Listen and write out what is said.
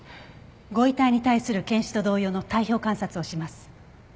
ご遺体に対する検視と同様の体表観察をします。